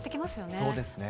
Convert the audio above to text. そうですね。